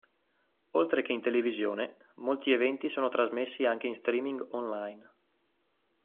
Oltre che in televisione, molti eventi sono trasmessi anche in streaming on-line.